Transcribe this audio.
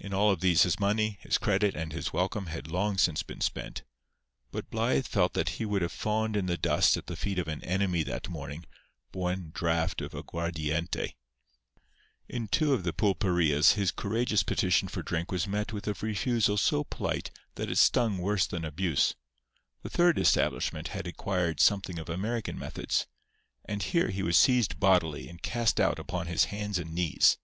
In all of these his money, his credit and his welcome had long since been spent; but Blythe felt that he would have fawned in the dust at the feet of an enemy that morning for one draught of aguardiente. In two of the pulperias his courageous petition for drink was met with a refusal so polite that it stung worse than abuse. The third establishment had acquired something of American methods; and here he was seized bodily and cast out upon his hands and knees.